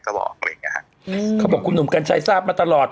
ก็บอกแล้วนะฮะเค้าบอกว่าคุณหนุ่มกัญชัยทราบมาตลอด